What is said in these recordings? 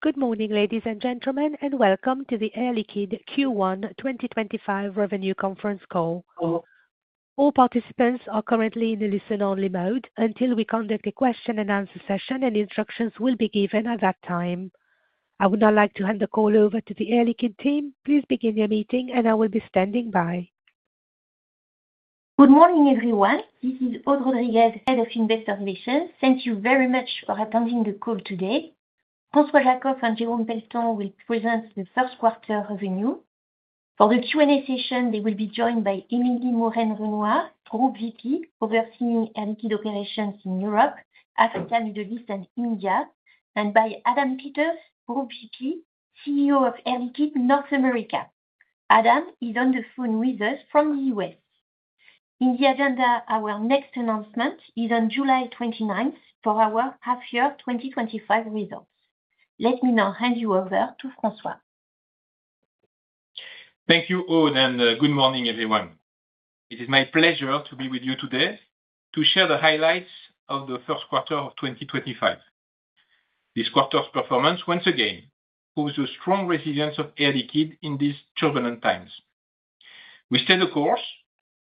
Good morning, ladies and gentlemen, and welcome to the Air Liquide Q1 2025 Revenue Conference Call. All participants are currently in a listen-only mode until we conduct a question-and-answer session, and instructions will be given at that time. I would now like to hand the call over to the Air Liquide team. Please begin your meeting, and I will be standing by. Good morning, everyone. This is Aude Rodriguez, Head of Investor Relations. Thank you very much for attending the call today. François Jackow and Jérôme Pelletan will present the first-quarter revenue. For the Q&A session, they will be joined by Emilie Mouren-Renouard, Group VP, overseeing Air Liquide operations in Europe, Africa, the Middle East, and India, and by Adam Peters, Group VP, CEO of Air Liquide North America. Adam is on the phone with us from the US. In the agenda, our next announcement is on July 29 for our half-year 2025 results. Let me now hand you over to François. Thank you, Aude, and good morning, everyone. It is my pleasure to be with you today to share the highlights of the first quarter of 2025. This quarter's performance, once again, proves the strong resilience of Air Liquide in these turbulent times. We stay the course,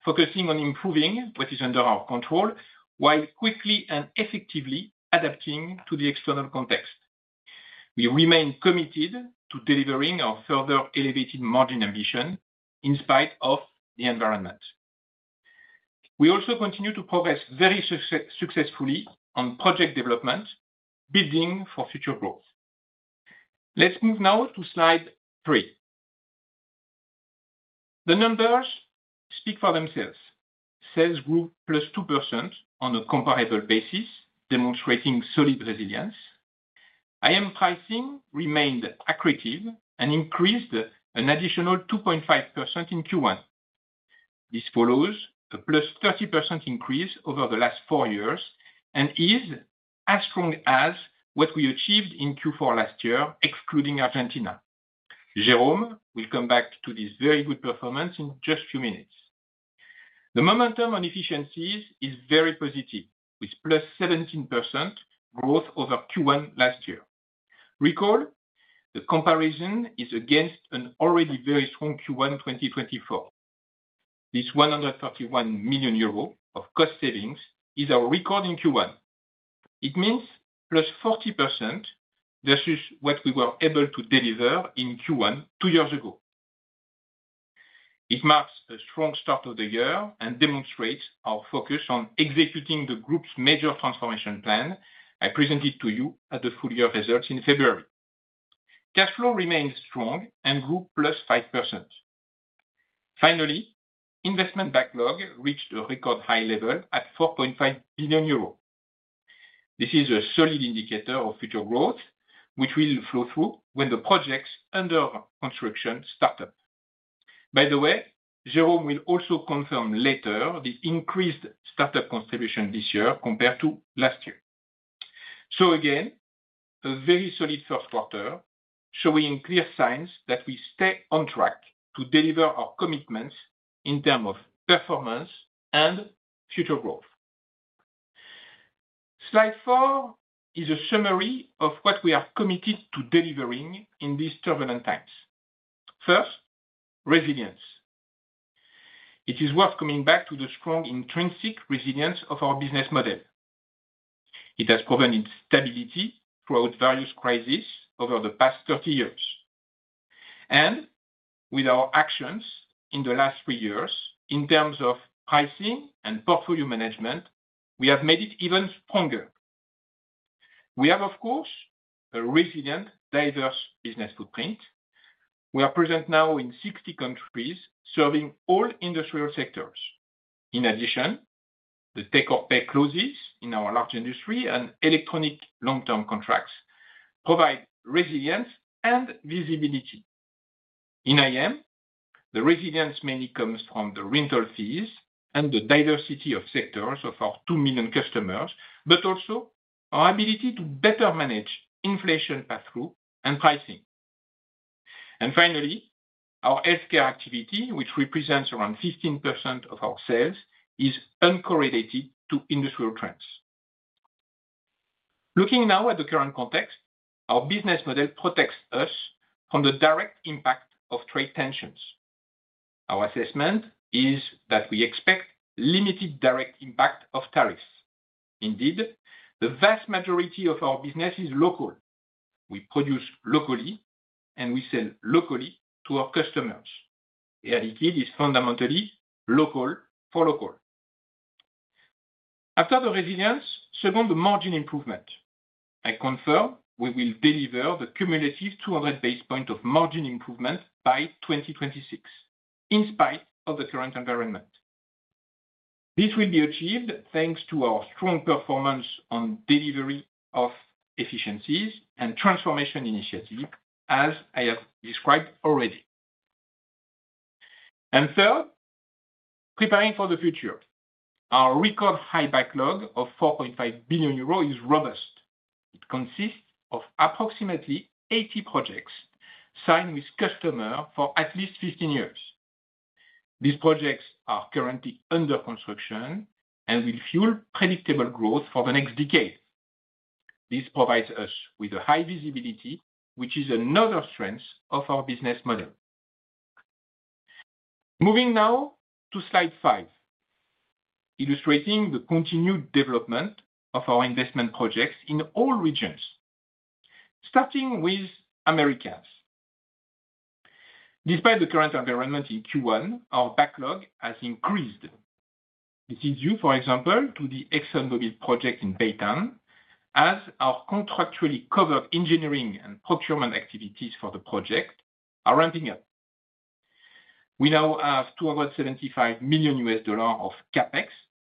focusing on improving what is under our control while quickly and effectively adapting to the external context. We remain committed to delivering our further elevated margin ambition in spite of the environment. We also continue to progress very successfully on project development, building for future growth. Let's move now to slide three. The numbers speak for themselves. Sales grew +2% on a comparable basis, demonstrating solid resilience. IM pricing remained accretive and increased an additional 2.5% in Q1. This follows a +30% increase over the last four years and is as strong as what we achieved in Q4 last year, excluding Argentina. Jérôme will come back to this very good performance in just a few minutes. The momentum on efficiencies is very positive, with +17% growth over Q1 last year. Recall, the comparison is against an already very strong Q1 2024. This 131 million euro of cost savings is our record in Q1. It means +40% versus what we were able to deliver in Q1 two years ago. It marks a strong start of the year and demonstrates our focus on executing the Group's major transformation plan I presented to you at the full-year results in February. Cash flow remained strong and grew +5%. Finally, investment backlog reached a record high level at 4.5 billion euros. This is a solid indicator of future growth, which will flow through when the projects under construction start up. By the way, Jérôme will also confirm later the increased startup contribution this year compared to last year. A very solid first quarter, showing clear signs that we stay on track to deliver our commitments in terms of performance and future growth. Slide four is a summary of what we are committed to delivering in these turbulent times. First, resilience. It is worth coming back to the strong intrinsic resilience of our business model. It has proven its stability throughout various crises over the past 30 years. With our actions in the last three years in terms of pricing and portfolio management, we have made it even stronger. We have, of course, a resilient, diverse business footprint. We are present now in 60 countries, serving all industrial sectors. In addition, the take-or-pay clauses in our large industry and electronic long-term contracts provide resilience and visibility. In IM, the resilience mainly comes from the rental fees and the diversity of sectors of our 2 million customers, but also our ability to better manage inflation pass-through and pricing. Finally, our healthcare activity, which represents around 15% of our sales, is uncorrelated to industrial trends. Looking now at the current context, our business model protects us from the direct impact of trade tensions. Our assessment is that we expect limited direct impact of tariffs. Indeed, the vast majority of our business is local. We produce locally, and we sell locally to our customers. Air Liquide is fundamentally local for local. After the resilience, second, the margin improvement. I confirm we will deliver the cumulative 200 basis points of margin improvement by 2026, in spite of the current environment. This will be achieved thanks to our strong performance on delivery of efficiencies and transformation initiatives, as I have described already. Third, preparing for the future. Our record high backlog of 4.5 billion euros is robust. It consists of approximately 80 projects signed with customers for at least 15 years. These projects are currently under construction and will fuel predictable growth for the next decade. This provides us with a high visibility, which is another strength of our business model. Moving now to slide five, illustrating the continued development of our investment projects in all regions, starting with Americas. Despite the current environment in Q1, our backlog has increased. This is due, for example, to the ExxonMobil project in Baytown, as our contractually covered engineering and procurement activities for the project are ramping up. We now have $275 million of CapEx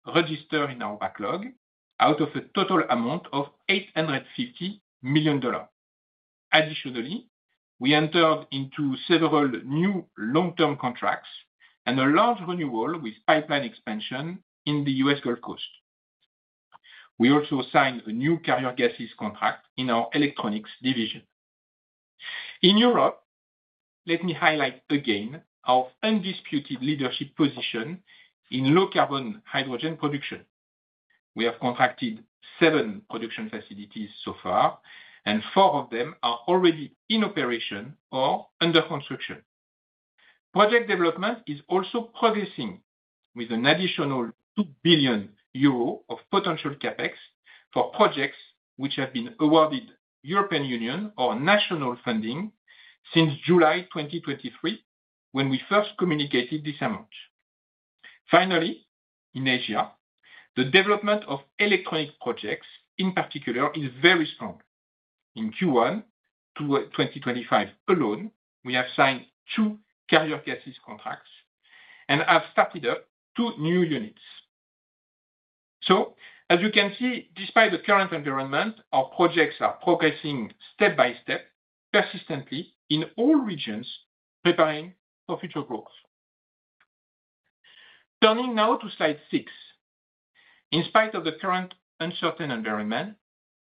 registered in our backlog out of a total amount of $850 million. Additionally, we entered into several new long-term contracts and a large renewal with pipeline expansion in the US Gulf Coast. We also signed a new carrier gases contract in our electronics division. In Europe, let me highlight again our undisputed leadership position in low-carbon hydrogen production. We have contracted seven production facilities so far, and four of them are already in operation or under construction. Project development is also progressing with an additional 2 billion euro of potential CapEx for projects which have been awarded European Union or national funding since July 2023, when we first communicated this amount. Finally, in Asia, the development of electronic projects, in particular, is very strong. In Q1 2025 alone, we have signed two carrier gases contracts and have started up two new units. As you can see, despite the current environment, our projects are progressing step by step, persistently in all regions, preparing for future growth. Turning now to slide six. In spite of the current uncertain environment,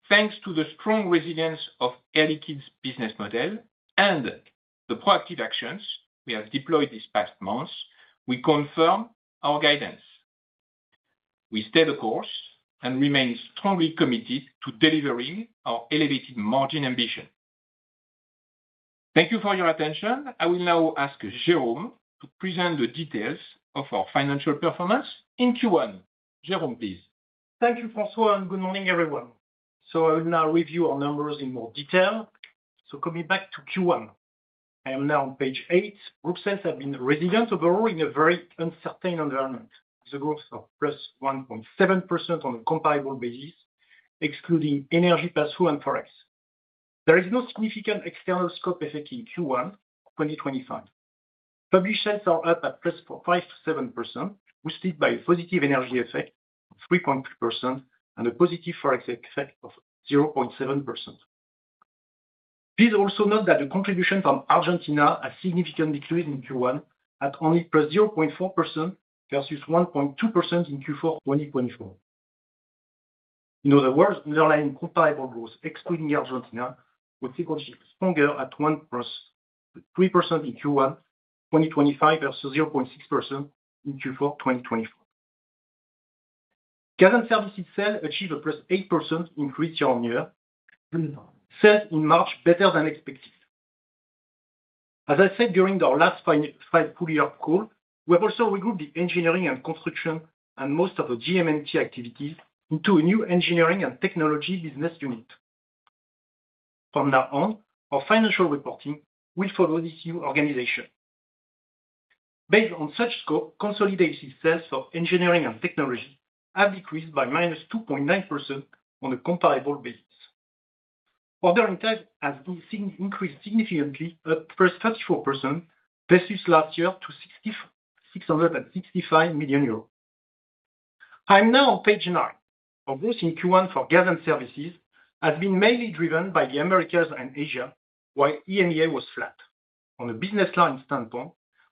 thanks to the strong resilience of Air Liquide's business model and the proactive actions we have deployed these past months, we confirm our guidance. We stay the course and remain strongly committed to delivering our elevated margin ambition. Thank you for your attention. I will now ask Jérôme to present the details of our financial performance in Q1. Jérôme, please. Thank you, François, and good morning, everyone. I will now review our numbers in more detail. Coming back to Q1, I am now on page eight. Group sales have been resilient overall in a very uncertain environment, with a growth of +1.7% on a comparable basis, excluding energy pass-through and forex. There is no significant external scope effect in Q1 2025. Public sales are up at +5%-7%, boosted by a positive energy effect of 3.2% and a positive forex effect of 0.7%. Please also note that the contribution from Argentina has significantly decreased in Q1 at only +0.4% versus 1.2% in Q4 2024. In other words, underlying comparable growth, excluding Argentina, would be stronger at 1.3% in Q1 2025 versus 0.6% in Q4 2024. Car and service itself achieved a +8% increase year on year, sales in March better than expected. As I said during our last five full-year call, we have also regrouped the engineering and construction and most of the GM&T activities into a new engineering and technology business unit. From now on, our financial reporting will follow this new organization. Based on such scope, consolidated sales for engineering and technology have decreased by -2.9% on a comparable basis. Order intent has increased significantly at +34% versus last year to 6,665 million euros. I am now on page nine. Our growth in Q1 for gas and services has been mainly driven by the Americas and Asia, while EMEA was flat. On a business line standpoint,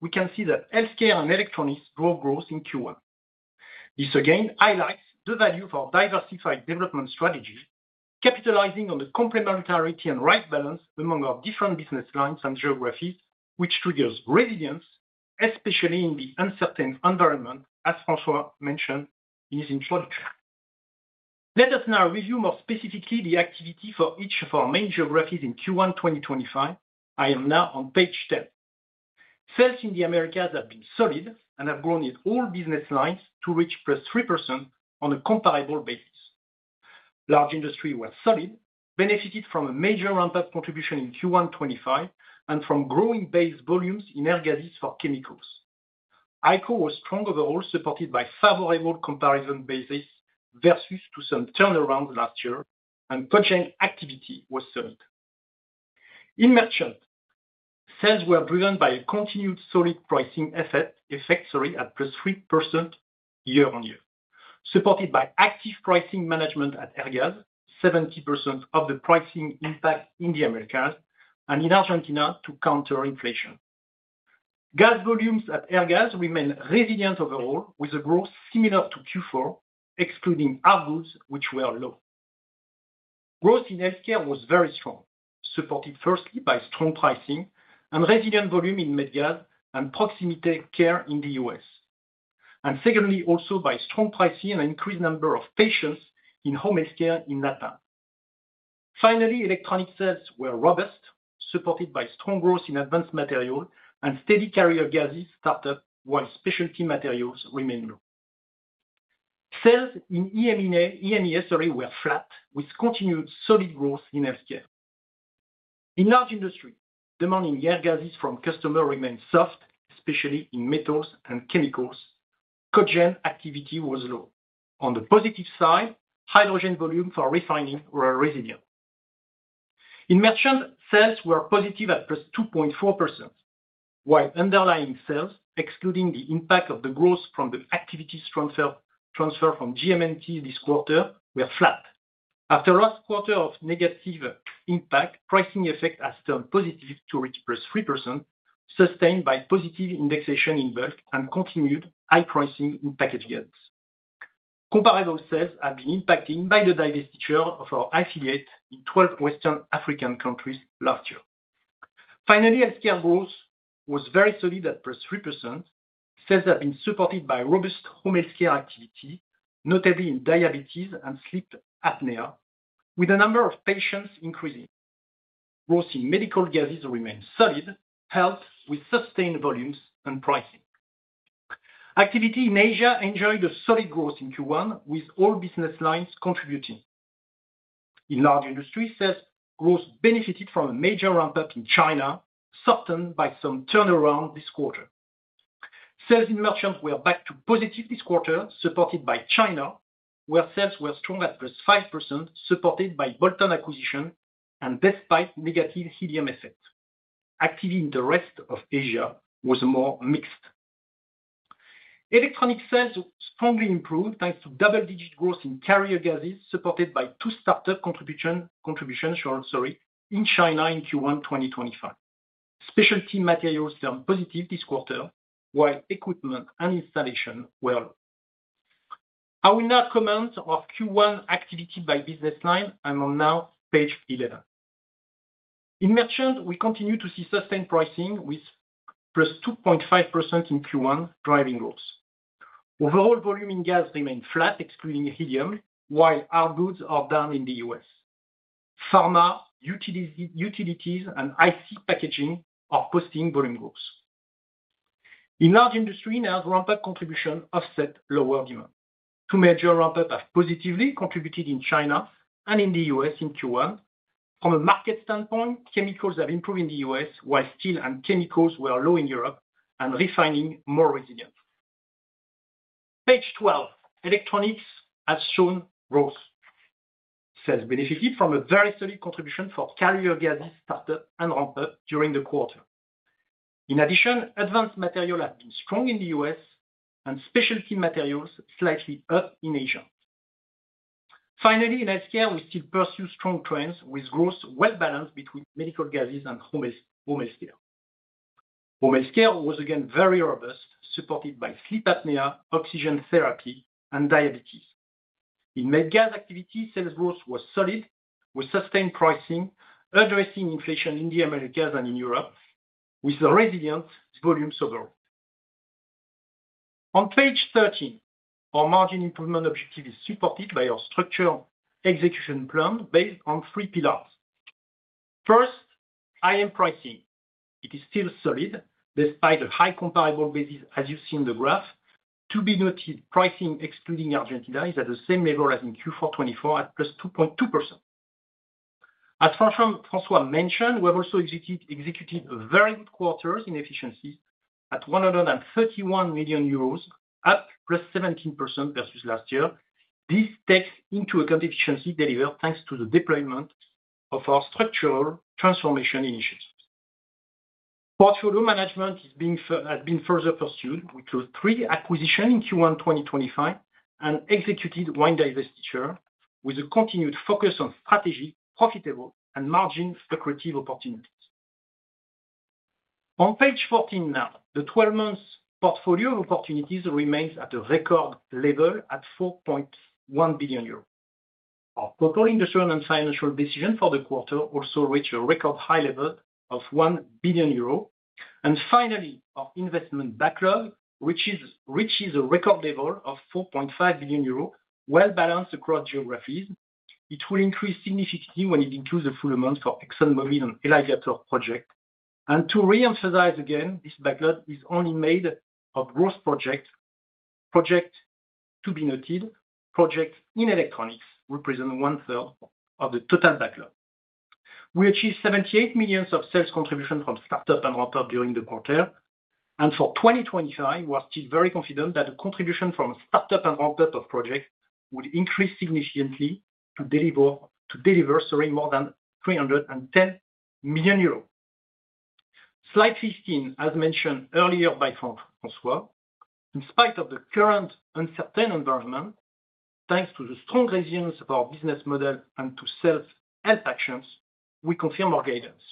we can see that healthcare and electronics drove growth in Q1. This again highlights the value of our diversified development strategy, capitalizing on the complementarity and right balance among our different business lines and geographies, which triggers resilience, especially in the uncertain environment, as François mentioned in his introduction. Let us now review more specifically the activity for each of our main geographies in Q1 2025. I am now on page 10. Sales in the Americas have been solid and have grown in all business lines to reach +3% on a comparable basis. Large industry were solid, benefited from a major ramp-up contribution in Q1 2025 and from growing base volumes in air gases for chemicals. ICO was strong overall, supported by favorable comparison basis versus to some turnarounds last year, and contract activity was solid. In merchant, sales were driven by a continued solid pricing effect, sorry, at +3% year on year, supported by active pricing management at Airgas, 70% of the pricing impact in the Americas and in Argentina to counter inflation. Gas volumes at Airgas remain resilient overall, with a growth similar to Q4, excluding argon, which were low. Growth in healthcare was very strong, supported firstly by strong pricing and resilient volume in Medgas and proximity care in the US, and secondly also by strong pricing and increased number of patients in home healthcare in Latin America. Finally, electronic sales were robust, supported by strong growth in advanced materials and steady carrier gases startup, while specialty materials remained low. Sales in EMEA, sorry, were flat, with continued solid growth in healthcare. In large industry, demand in air gases from customers remained soft, especially in metals and chemicals. Cogen activity was low. On the positive side, hydrogen volume for refining were resilient. In merchant, sales were positive at +2.4%, while underlying sales, excluding the impact of the growth from the activity transfer from GM&T this quarter, were flat. After last quarter of negative impact, pricing effect has turned positive to reach +3%, sustained by positive indexation in bulk and continued high pricing in packaged goods. Comparable sales have been impacted by the divestiture of our affiliate in 12 Western African countries last year. Finally, healthcare growth was very solid at +3%. Sales have been supported by robust home healthcare activity, notably in diabetes and sleep apnea, with the number of patients increasing. Growth in medical gases remained solid, helped with sustained volumes and pricing. Activity in Asia enjoyed a solid growth in Q1, with all business lines contributing. In large industry, sales growth benefited from a major ramp-up in China, softened by some turnaround this quarter. Sales in merchant were back to positive this quarter, supported by China, where sales were strong at +5%, supported by the Bolton acquisition and despite negative helium effect. Activity in the rest of Asia was more mixed. Electronic sales strongly improved thanks to double-digit growth in carrier gases, supported by two startup contributions, sorry, in China in Q1 2025. Specialty materials turned positive this quarter, while equipment and installation were low. I will now comment on our Q1 activity by business line. I'm on now page 11. In merchant, we continue to see sustained pricing with +2.5% in Q1 driving growth. Overall volume in gas remained flat, excluding helium, while our goods are down in the US. Pharma, utilities, and IC packaging are posting volume growth. In large industry, now ramp-up contribution offset lower demand. Two major ramp-ups have positively contributed in China and in the US in Q1. From a market standpoint, chemicals have improved in the US, while steel and chemicals were low in Europe and refining more resilient. Page 12, electronics has shown growth. Sales benefited from a very solid contribution for carrier gases startup and ramp-up during the quarter. In addition, advanced materials have been strong in the US and specialty materials slightly up in Asia. Finally, in healthcare, we still pursue strong trends with growth well balanced between medical gases and home healthcare. Home healthcare was again very robust, supported by sleep apnea, oxygen therapy, and diabetes. In Medgas activity, sales growth was solid with sustained pricing, addressing inflation in the American gas and in Europe, with resilient volumes overall. On page 13, our margin improvement objective is supported by our structure execution plan based on three pillars. First, high-end pricing. It is still solid despite a high comparable basis, as you see in the graph. To be noted, pricing, excluding Argentina, is at the same level as in Q4 2024 at +2.2%. As François mentioned, we have also executed very good quarters in efficiencies at 131 million euros, up +17% versus last year. This takes into account efficiency delivered thanks to the deployment of our structural transformation initiatives. Portfolio management has been further pursued with three acquisitions in Q1 2025 and executed one divestiture with a continued focus on strategy, profitable, and margin-figurative opportunities. On page 14 now, the 12-month portfolio of opportunities remains at a record level at 4.1 billion euros. Our portfolio investment and financial decision for the quarter also reached a record high level of 1 billion euro. Finally, our investment backlog, which reaches a record level of 4.5 billion euros, well balanced across geographies. It will increase significantly when it includes the full amount for ExxonMobil and Eligator projects. To reemphasize again, this backlog is only made of growth projects. To be noted, projects in electronics represent one-third of the total backlog. We achieved 78 million of sales contribution from startup and ramp-up during the quarter. For 2025, we are still very confident that the contribution from startup and ramp-up of projects would increase significantly to deliver, sorry, more than 310 million euros. Slide 15, as mentioned earlier by François, in spite of the current uncertain environment, thanks to the strong resilience of our business model and to sales help actions, we confirm our guidance.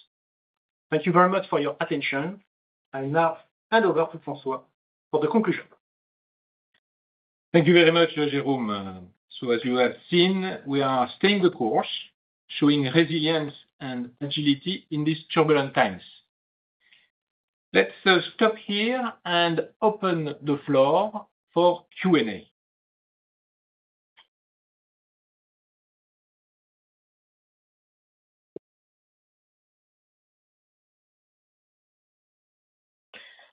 Thank you very much for your attention. I now hand over to François for the conclusion. Thank you very much, Jérôme. As you have seen, we are staying the course, showing resilience and agility in these turbulent times. Let's stop here and open the floor for Q&A.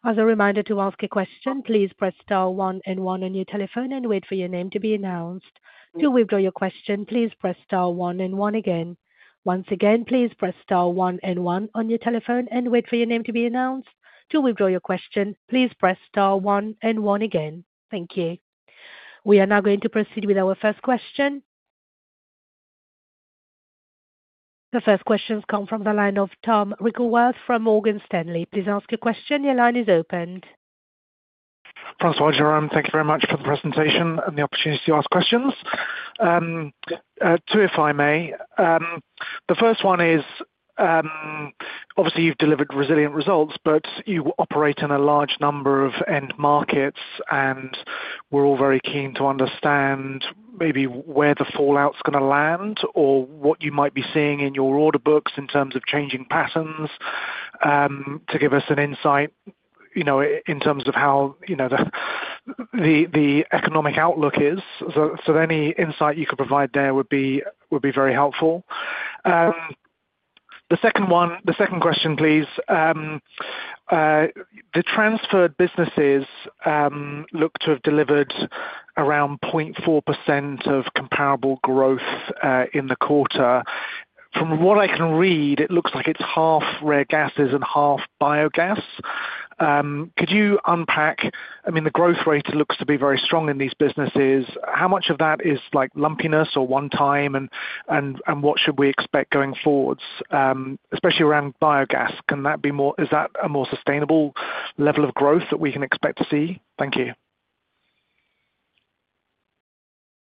As a reminder to ask a question, please press star one and one on your telephone and wait for your name to be announced. To withdraw your question, please press star one and one again. Once again, please press star one and one on your telephone and wait for your name to be announced. To withdraw your question, please press star one and one again. Thank you. We are now going to proceed with our first question. The first questions come from the line of Tom Wrigglesworth from Morgan Stanley. Please ask a question. Your line is opened. François, Jérôme, thank you very much for the presentation and the opportunity to ask questions. Two, if I may. The first one is, obviously, you've delivered resilient results, but you operate in a large number of end markets, and we're all very keen to understand maybe where the fallout's going to land or what you might be seeing in your order books in terms of changing patterns to give us an insight in terms of how the economic outlook is. Any insight you could provide there would be very helpful. The second question, please. The transferred businesses look to have delivered around 0.4% of comparable growth in the quarter. From what I can read, it looks like it's half rare gases and half biogas. Could you unpack? I mean, the growth rate looks to be very strong in these businesses. How much of that is lumpiness or one-time, and what should we expect going forwards, especially around biogas? Can that be more? Is that a more sustainable level of growth that we can expect to see? Thank you.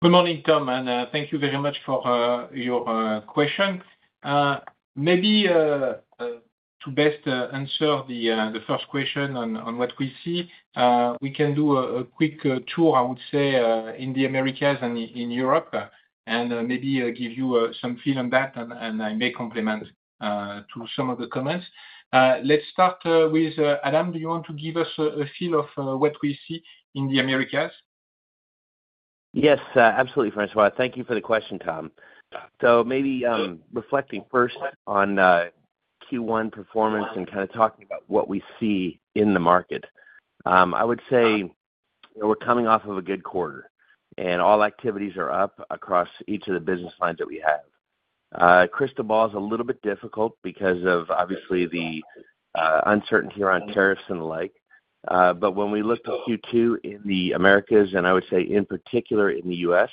Good morning, Tom, and thank you very much for your question. Maybe to best answer the first question on what we see, we can do a quick tour, I would say, in the Americas and in Europe, and maybe give you some feel on that, and I may complement to some of the comments. Let's start with Adam, do you want to give us a feel of what we see in the Americas? Yes, absolutely, François. Thank you for the question, Tom. Maybe reflecting first on Q1 performance and kind of talking about what we see in the market, I would say we're coming off of a good quarter, and all activities are up across each of the business lines that we have. Crystal ball is a little bit difficult because of, obviously, the uncertainty around tariffs and the like. When we look to Q2 in the Americas, and I would say in particular in the US,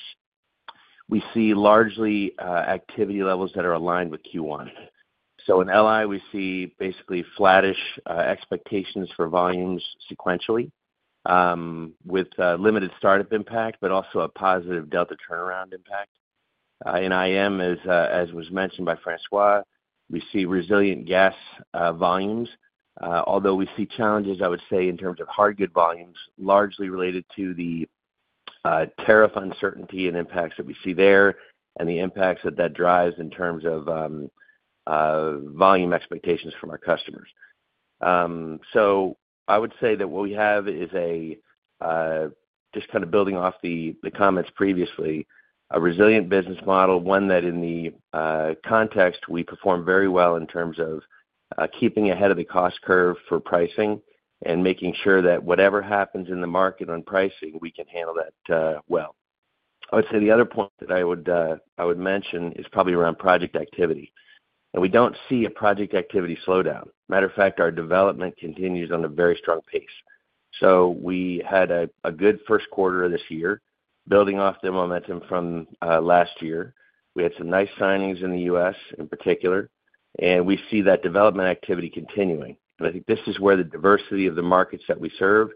we see largely activity levels that are aligned with Q1. In LI, we see basically flattish expectations for volumes sequentially with limited startup impact, but also a positive delta turnaround impact. In IM, as was mentioned by François, we see resilient gas volumes, although we see challenges, I would say, in terms of hard good volumes, largely related to the tariff uncertainty and impacts that we see there and the impacts that that drives in terms of volume expectations from our customers. I would say that what we have is just kind of building off the comments previously, a resilient business model, one that in the context we perform very well in terms of keeping ahead of the cost curve for pricing and making sure that whatever happens in the market on pricing, we can handle that well. I would say the other point that I would mention is probably around project activity. We do not see a project activity slowdown. Matter of fact, our development continues on a very strong pace. We had a good first quarter of this year, building off the momentum from last year. We had some nice signings in the US in particular, and we see that development activity continuing. I think this is where the diversity of the markets that we serve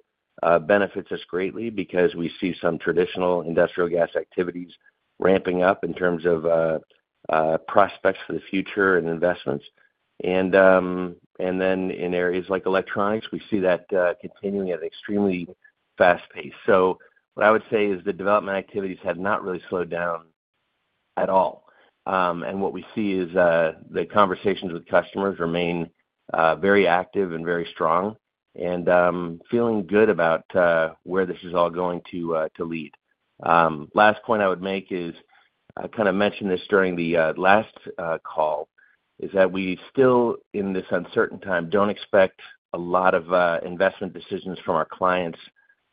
benefits us greatly because we see some traditional industrial gas activities ramping up in terms of prospects for the future and investments. In areas like electronics, we see that continuing at an extremely fast pace. What I would say is the development activities have not really slowed down at all. What we see is the conversations with customers remain very active and very strong and feeling good about where this is all going to lead. Last point I would make is I kind of mentioned this during the last call, is that we still, in this uncertain time, do not expect a lot of investment decisions from our clients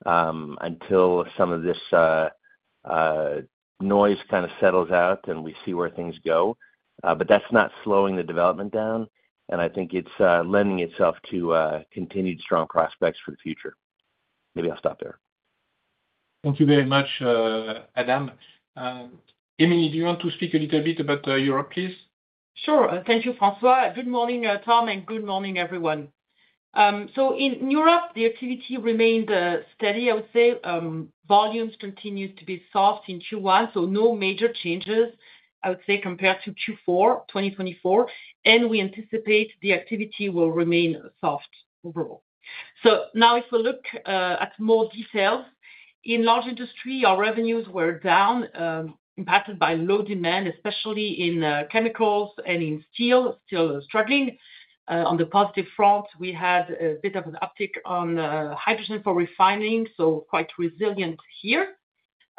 until some of this noise kind of settles out and we see where things go. That is not slowing the development down, and I think it is lending itself to continued strong prospects for the future. Maybe I will stop there. Thank you very much, Adam. Emilie, do you want to speak a little bit about Europe, please? Sure. Thank you, François. Good morning, Tom, and good morning, everyone. In Europe, the activity remained steady, I would say. Volumes continued to be soft in Q1, so no major changes, I would say, compared to Q4 2024. We anticipate the activity will remain soft overall. If we look at more details, in large industry, our revenues were down, impacted by low demand, especially in chemicals and in steel, still struggling. On the positive front, we had a bit of an uptick on hydrogen for refining, so quite resilient here.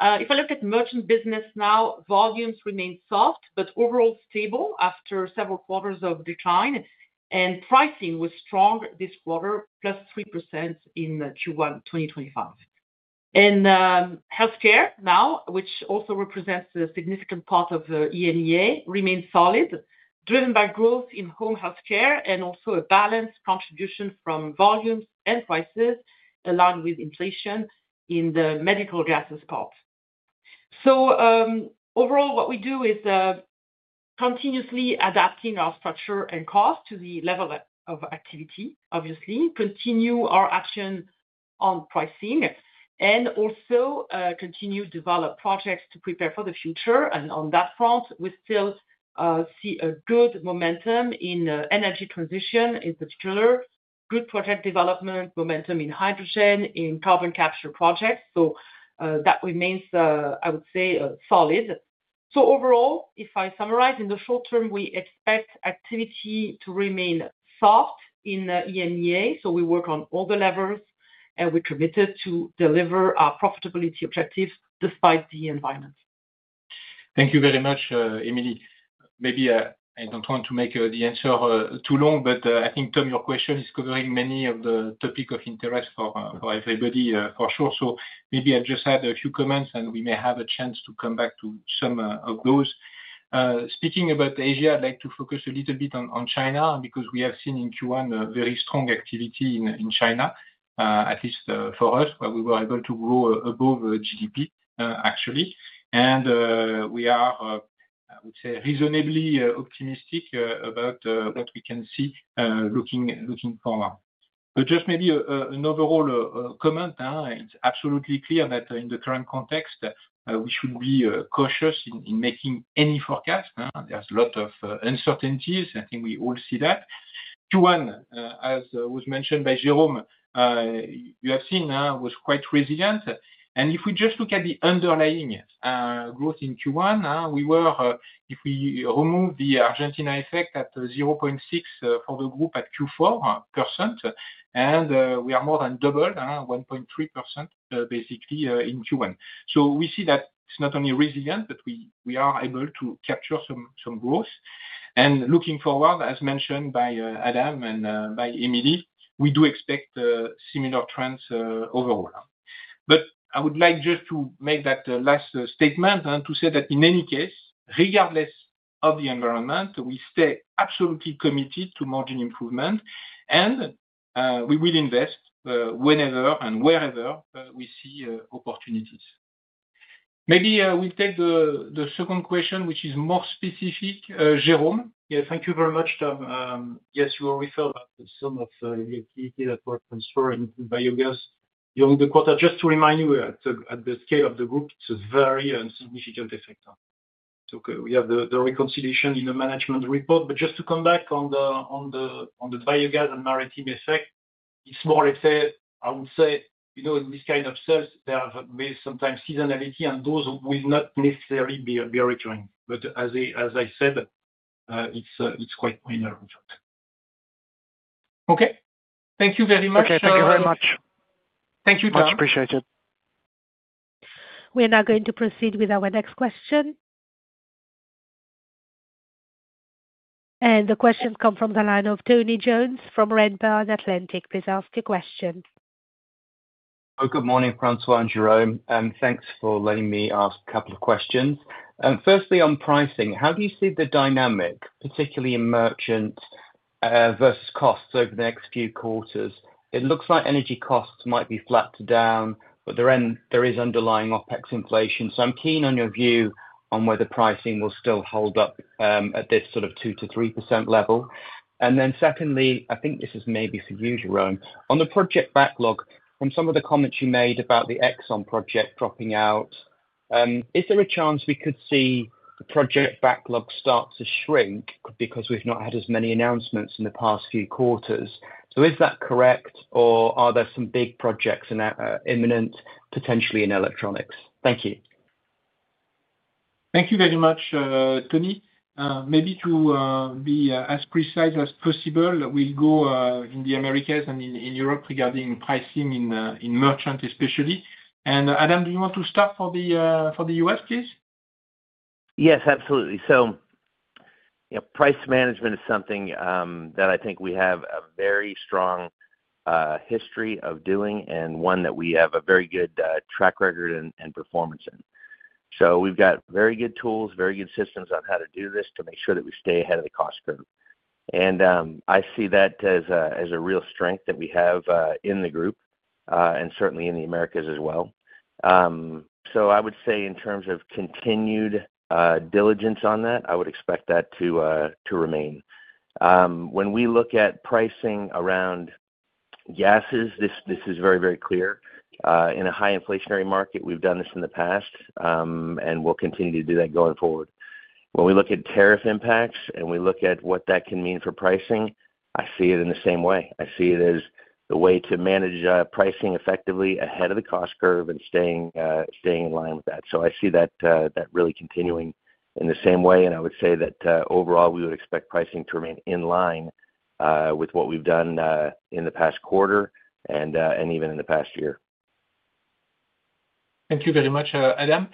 If I look at merchant business now, volumes remained soft but overall stable after several quarters of decline. Pricing was strong this quarter, plus 3% in Q1 2025. Healthcare now, which also represents a significant part of EMEA, remained solid, driven by growth in home healthcare and also a balanced contribution from volumes and prices aligned with inflation in the medical gases part. Overall, what we do is continuously adapting our structure and cost to the level of activity, obviously, continue our action on pricing, and also continue to develop projects to prepare for the future. On that front, we still see a good momentum in energy transition in particular, good project development momentum in hydrogen, in carbon capture projects. That remains, I would say, solid. Overall, if I summarize, in the short term, we expect activity to remain soft in EAMEI. We work on all the levers, and we're committed to deliver our profitability objectives despite the environment. Thank you very much, Emilie. Maybe I don't want to make the answer too long, but I think, Tom, your question is covering many of the topics of interest for everybody, for sure. Maybe I'll just add a few comments, and we may have a chance to come back to some of those. Speaking about Asia, I'd like to focus a little bit on China because we have seen in Q1 very strong activity in China, at least for us, where we were able to grow above GDP, actually. We are, I would say, reasonably optimistic about what we can see looking forward. Just maybe an overall comment. It's absolutely clear that in the current context, we should be cautious in making any forecast. There's a lot of uncertainties. I think we all see that. Q1, as was mentioned by Jérôme, you have seen, was quite resilient. If we just look at the underlying growth in Q1, we were, if we remove the Argentina effect, at 0.6% for the group at Q4 percent, and we are more than doubled, 1.3% basically in Q1. We see that it is not only resilient, but we are able to capture some growth. Looking forward, as mentioned by Adam and by Emilie, we do expect similar trends overall. I would like just to make that last statement and to say that in any case, regardless of the environment, we stay absolutely committed to margin improvement, and we will invest whenever and wherever we see opportunities. Maybe we will take the second question, which is more specific. Jérôme? Thank you very much, Tom. Yes, you already felt some of the activity that we are transferring to biogas during the quarter. Just to remind you, at the scale of the group, it's a very significant effect. We have the reconciliation in the management report. To come back on the biogas and maritime effect, it's more, let's say, I would say, in these kind of cells, there may sometimes be seasonality, and those will not necessarily be recurring. As I said, it's quite minor. Okay. Thank you very much. Thank you very much. Thank you, Tom. Much appreciated. We are now going to proceed with our next question. The questions come from the line of Tony Jones from Redburn Atlantic. Please ask your question. Good morning, François and Jérôme. Thanks for letting me ask a couple of questions. Firstly, on pricing, how do you see the dynamic, particularly in merchant versus costs over the next few quarters? It looks like energy costs might be flattered down, but there is underlying OPEX inflation. I am keen on your view on whether pricing will still hold up at this sort of 2%-3% level. Secondly, I think this is maybe for you, Jérôme, on the project backlog from some of the comments you made about the ExxonMobil project dropping out. Is there a chance we could see the project backlog start to shrink because we have not had as many announcements in the past few quarters? Is that correct, or are there some big projects imminent, potentially in electronics? Thank you. Thank you very much, Tony. Maybe to be as precise as possible, we will go in the Americas and in Europe regarding pricing in merchant especially. Adam, do you want to start for the US, please? Yes, absolutely. Price management is something that I think we have a very strong history of doing and one that we have a very good track record and performance in. We have very good tools, very good systems on how to do this to make sure that we stay ahead of the cost curve. I see that as a real strength that we have in the group and certainly in the Americas as well. I would say in terms of continued diligence on that, I would expect that to remain. When we look at pricing around gases, this is very, very clear. In a high inflationary market, we have done this in the past, and we will continue to do that going forward. When we look at tariff impacts and we look at what that can mean for pricing, I see it in the same way. I see it as the way to manage pricing effectively ahead of the cost curve and staying in line with that. I see that really continuing in the same way. I would say that overall, we would expect pricing to remain in line with what we've done in the past quarter and even in the past year. Thank you very much, Adam.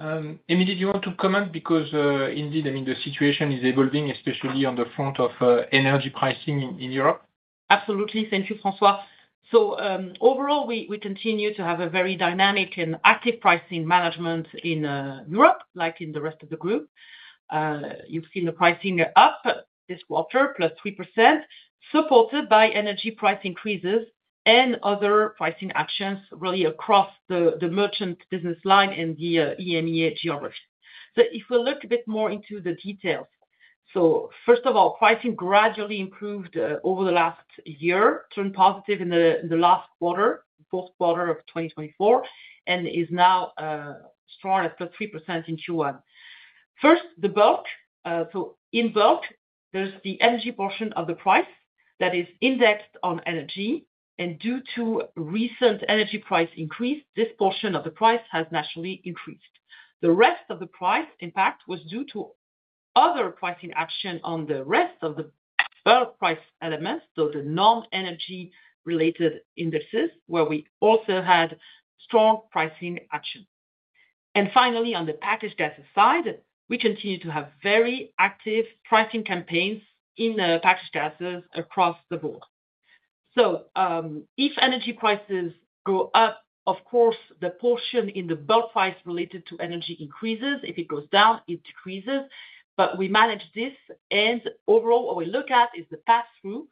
Emilie, do you want to comment? Because indeed, I mean, the situation is evolving, especially on the front of energy pricing in Europe. Absolutely. Thank you, François. Overall, we continue to have a very dynamic and active pricing management in Europe, like in the rest of the group. You've seen the pricing up this quarter, plus 3%, supported by energy price increases and other pricing actions really across the merchant business line in the EMEA geography. If we look a bit more into the details, first of all, pricing gradually improved over the last year, turned positive in the last quarter, fourth quarter of 2024, and is now strong at plus 3% in Q1. First, the bulk. In bulk, there's the energy portion of the price that is indexed on energy. Due to recent energy price increase, this portion of the price has naturally increased. The rest of the price impact was due to other pricing action on the rest of the bulk price elements, so the non-energy related indices where we also had strong pricing action. Finally, on the packaged gas side, we continue to have very active pricing campaigns in packaged gases across the board. If energy prices go up, of course, the portion in the bulk price related to energy increases. If it goes down, it decreases. We manage this. Overall, what we look at is the pass-through.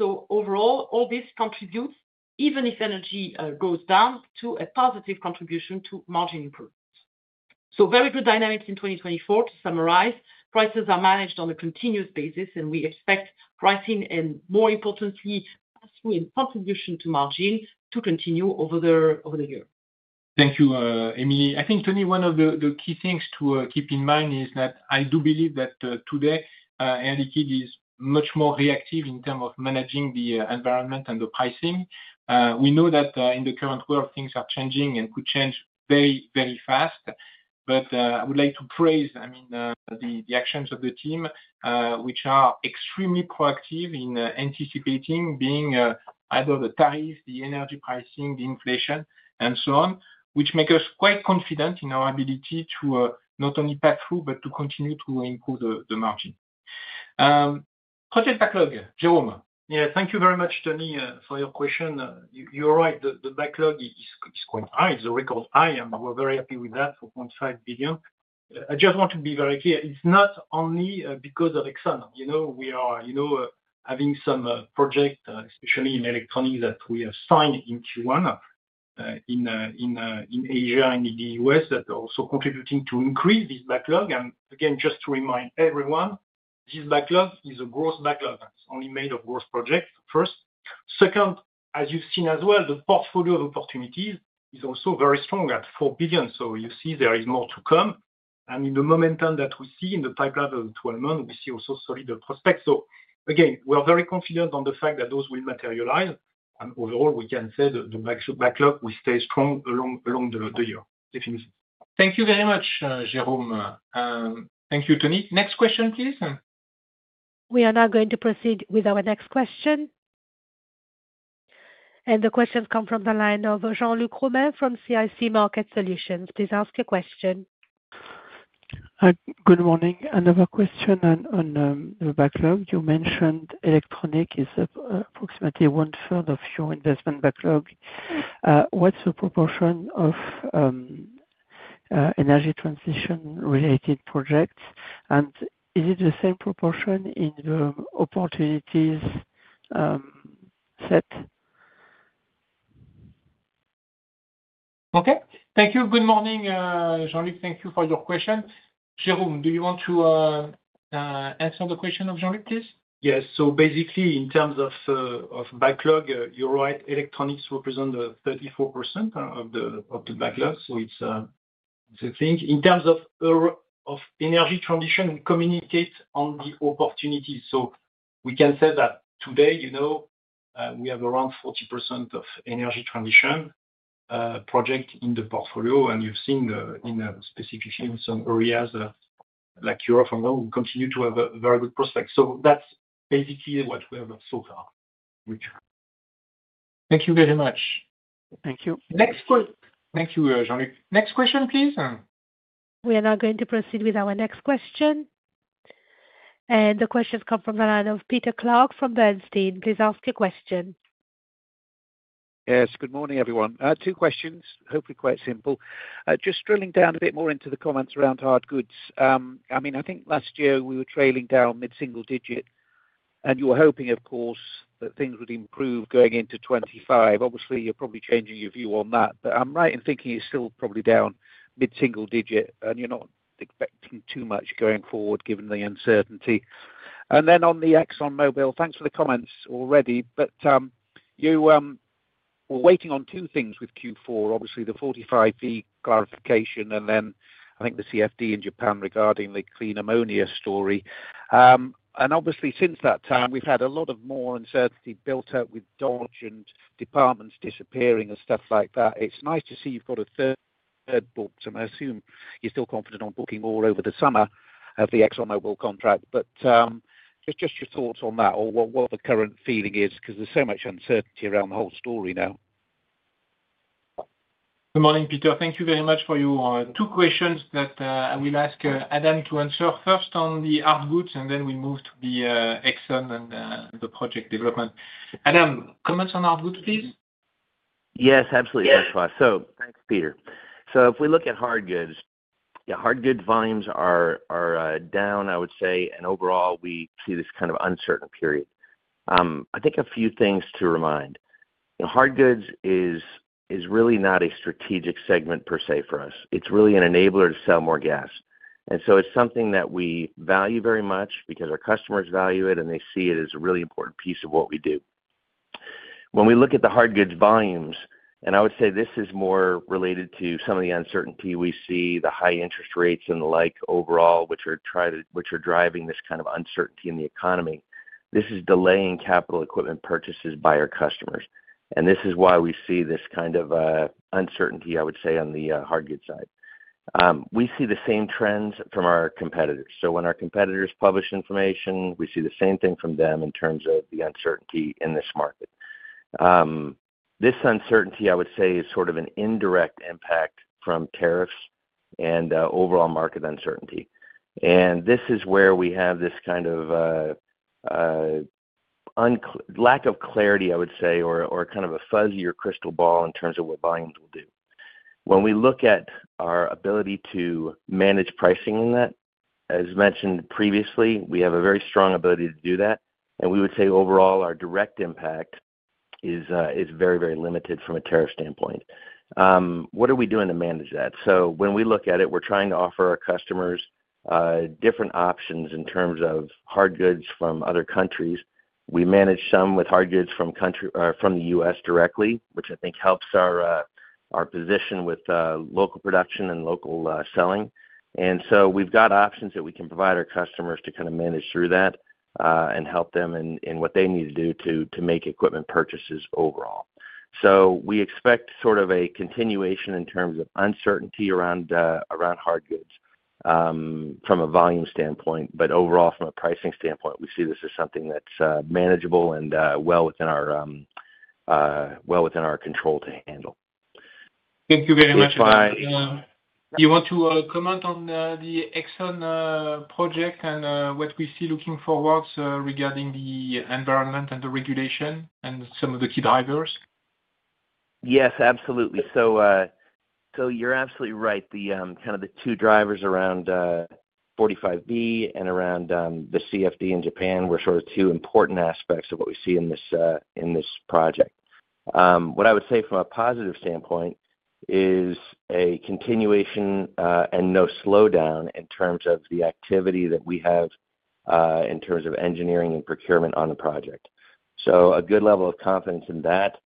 Overall, all this contributes, even if energy goes down, to a positive contribution to margin improvement. Very good dynamics in 2024. To summarize, prices are managed on a continuous basis, and we expect pricing and, more importantly, pass-through and contribution to margin to continue over the year. Thank you, Emilie. I think, Tony, one of the key things to keep in mind is that I do believe that today, Air Liquide is much more reactive in terms of managing the environment and the pricing. We know that in the current world, things are changing and could change very, very fast. I would like to praise, I mean, the actions of the team, which are extremely proactive in anticipating being either the tariffs, the energy pricing, the inflation, and so on, which make us quite confident in our ability to not only pass-through, but to continue to improve the margin. Project backlog, Jérôme. Yeah, thank you very much, Tony, for your question. You're right. The backlog is quite high. It's a record high, and we're very happy with that, 4.5 billion. I just want to be very clear. It's not only because of ExxonMobil. We are having some projects, especially in electronics, that we have signed in Q1 in Asia and in the US that are also contributing to increase this backlog. Just to remind everyone, this backlog is a gross backlog. It is only made of gross projects first. Second, as you have seen as well, the portfolio of opportunities is also very strong at 4 billion. You see there is more to come. In the momentum that we see in the pipeline of the 12 months, we see also solid prospects. We are very confident on the fact that those will materialize. Overall, we can say the backlog will stay strong along the year. Definitely. Thank you very much, Jérôme. Thank you, Tony. Next question, please. We are now going to proceed with our next question. The questions come from the line of Jean-Luc Romain from CIC Market Solutions. Please ask your question. Good morning. Another question on the backlog. You mentioned electronic is approximately one-third of your investment backlog. What's the proportion of energy transition-related projects? Is it the same proportion in the opportunities set? Okay. Thank you. Good morning, Jean-Luc. Thank you for your question. Jérôme, do you want to answer the question of Jean-Luc, please? Yes. Basically, in terms of backlog, you're right, electronics represent 34% of the backlog. It is a thing. In terms of energy transition, we communicate on the opportunities. We can say that today, we have around 40% of energy transition projects in the portfolio. You have seen specifically in some areas like Europe, we continue to have very good prospects. That is basically what we have so far. Thank you very much. Thank you. Next question. Thank you, Jean-Luc. Next question, please. We are now going to proceed with our next question. The questions come from the line of Peter Clark from Bernstein. Please ask your question. Yes. Good morning, everyone. Two questions, hopefully quite simple. Just drilling down a bit more into the comments around hard goods. I mean, I think last year we were trailing down mid-single digit, and you were hoping, of course, that things would improve going into 2025. Obviously, you're probably changing your view on that. I am right in thinking it's still probably down mid-single digit, and you're not expecting too much going forward given the uncertainty. On the ExxonMobil, thanks for the comments already. You were waiting on two things with Q4, obviously the 45B clarification, and then I think the CFD in Japan regarding the clean ammonia story. Obviously, since that time, we've had a lot more uncertainty built up with Dodge and departments disappearing and stuff like that. It's nice to see you've got a third bulk, and I assume you're still confident on booking more over the summer of the ExxonMobil contract. Just your thoughts on that or what the current feeling is because there's so much uncertainty around the whole story now. Good morning, Peter. Thank you very much for your two questions that I will ask Adam to answer. First on the hard goods, and then we move to the Exxon and the project development. Adam, comments on hard goods, please? Yes, absolutely. That is why. Thanks, Peter. If we look at hard goods, hard goods volumes are down, I would say, and overall, we see this kind of uncertain period. I think a few things to remind. Hard goods is really not a strategic segment per se for us. It is really an enabler to sell more gas. It is something that we value very much because our customers value it, and they see it as a really important piece of what we do. When we look at the hard goods volumes, I would say this is more related to some of the uncertainty we see, the high interest rates and the like overall, which are driving this kind of uncertainty in the economy. This is delaying capital equipment purchases by our customers. This is why we see this kind of uncertainty, I would say, on the hard goods side. We see the same trends from our competitors. When our competitors publish information, we see the same thing from them in terms of the uncertainty in this market. This uncertainty, I would say, is sort of an indirect impact from tariffs and overall market uncertainty. This is where we have this kind of lack of clarity, I would say, or kind of a fuzzier crystal ball in terms of what volumes will do. When we look at our ability to manage pricing in that, as mentioned previously, we have a very strong ability to do that. We would say overall, our direct impact is very, very limited from a tariff standpoint. What are we doing to manage that? When we look at it, we're trying to offer our customers different options in terms of hard goods from other countries. We manage some with hard goods from the US directly, which I think helps our position with local production and local selling. We've got options that we can provide our customers to kind of manage through that and help them in what they need to do to make equipment purchases overall. We expect sort of a continuation in terms of uncertainty around hard goods from a volume standpoint. Overall, from a pricing standpoint, we see this as something that's manageable and well within our control to handle. Thank you very much, Adam. You want to comment on the ExxonMobil project and what we see looking forward regarding the environment and the regulation and some of the key drivers? Yes, absolutely. You're absolutely right. Kind of the two drivers around 45B and around the CFD in Japan were sort of two important aspects of what we see in this project. What I would say from a positive standpoint is a continuation and no slowdown in terms of the activity that we have in terms of engineering and procurement on the project. A good level of confidence in that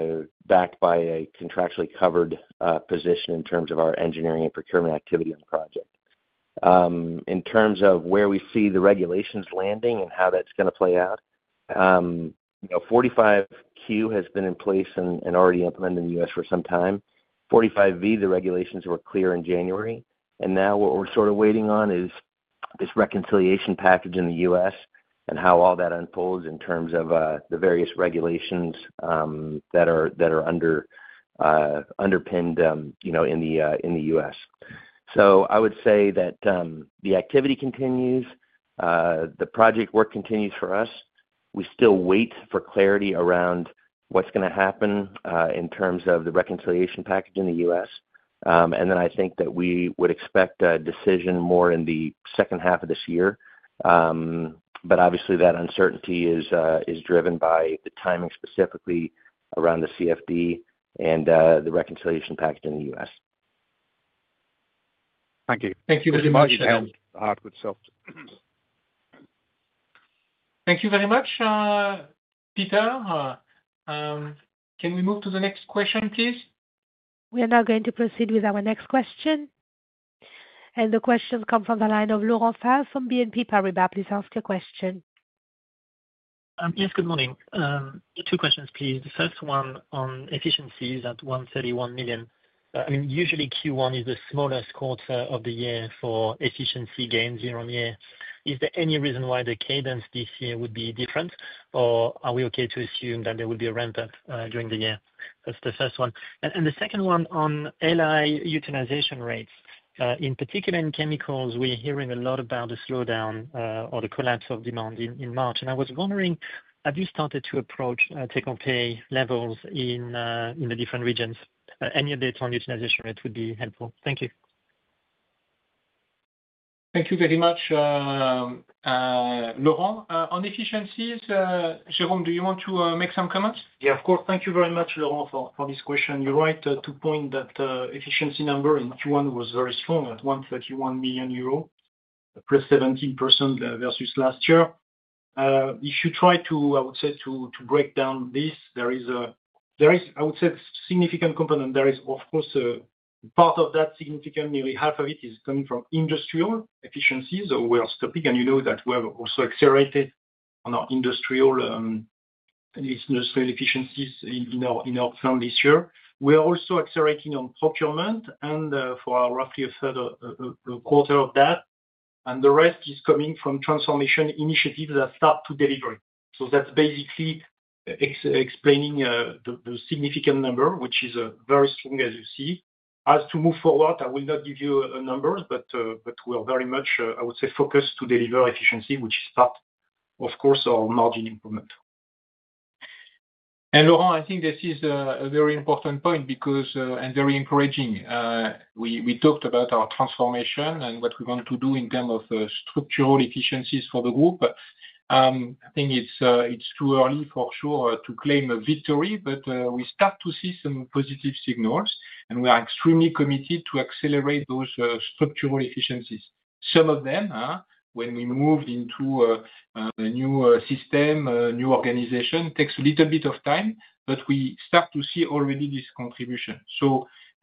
is backed by a contractually covered position in terms of our engineering and procurement activity on the project. In terms of where we see the regulations landing and how that's going to play out, 45Q has been in place and already implemented in the US for some time. 45V, the regulations were clear in January. What we're sort of waiting on now is this reconciliation package in the U.S. and how all that unfolds in terms of the various regulations that are underpinned in the U.S. I would say that the activity continues. The project work continues for us. We still wait for clarity around what's going to happen in terms of the reconciliation package in the U.S. I think that we would expect a decision more in the second half of this year. Obviously, that uncertainty is driven by the timing specifically around the CFD and the reconciliation package in the U.S. Thank you. Thank you very much. Hard goods sales. Thank you very much, Peter. Can we move to the next question, please? We are now going to proceed with our next question. The questions come from the line of Laurent Guy Favre from BNP Paribas. Please ask your question. Yes, good morning. Two questions, please. The first one on efficiencies at €131 million. I mean, usually Q1 is the smallest quarter of the year for efficiency gains year on year. Is there any reason why the cadence this year would be different, or are we okay to assume that there will be a ramp-up during the year? That is the first one. The second one on LI utilization rates. In particular, in chemicals, we are hearing a lot about the slowdown or the collapse of demand in March. I was wondering, have you started to approach take-or-pay levels in the different regions? Any updates on utilization rates would be helpful. Thank you. Thank you very much, Laurent. On efficiencies, Jérôme, do you want to make some comments? Yeah, of course. Thank you very much, Laurent, for this question. You're right to point that efficiency number in Q1 was very strong at 131 million euros, plus 17% versus last year. If you try to, I would say, to break down this, there is, I would say, a significant component. There is, of course, part of that significance. Nearly half of it is coming from industrial efficiencies. You know that we have also accelerated on our industrial efficiencies in our firm this year. We are also accelerating on procurement and for roughly a third quarter of that. The rest is coming from transformation initiatives that start to deliver. That is basically explaining the significant number, which is very strong, as you see. As to move forward, I will not give you numbers, but we are very much, I would say, focused to deliver efficiency, which is part, of course, of margin improvement. Laurent, I think this is a very important point because and very encouraging. We talked about our transformation and what we want to do in terms of structural efficiencies for the group. I think it's too early, for sure, to claim a victory, but we start to see some positive signals, and we are extremely committed to accelerate those structural efficiencies. Some of them, when we move into a new system, new organization, takes a little bit of time, but we start to see already this contribution.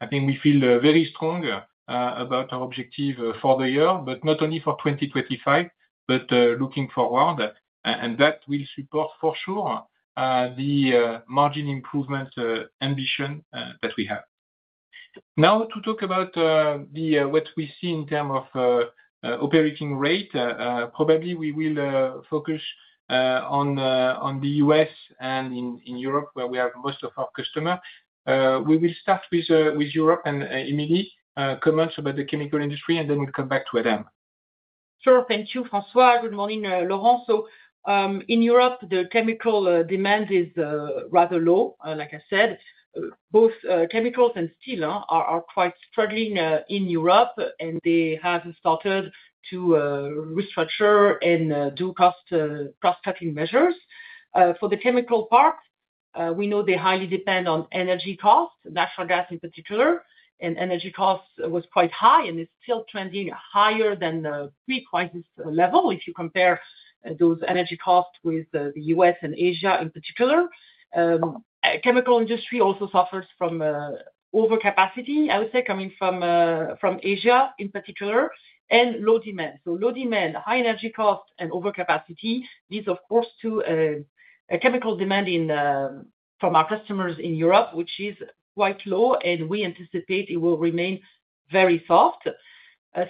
I think we feel very strong about our objective for the year, but not only for 2025, but looking forward. That will support, for sure, the margin improvement ambition that we have. Now, to talk about what we see in terms of operating rate, probably we will focus on the US and in Europe, where we have most of our customers. We will start with Europe and Emilie's comments about the chemical industry, and then we'll come back to Adam. Sure. Thank you, François. Good morning, Laurent. In Europe, the chemical demand is rather low, like I said. Both chemicals and steel are quite struggling in Europe, and they have started to restructure and do cost-cutting measures. For the chemical part, we know they highly depend on energy costs, natural gas in particular. Energy costs were quite high, and it is still trending higher than the pre-crisis level if you compare those energy costs with the US and Asia in particular. The chemical industry also suffers from overcapacity, I would say, coming from Asia in particular, and low demand. Low demand, high energy costs, and overcapacity lead, of course, to chemical demand from our customers in Europe, which is quite low, and we anticipate it will remain very soft.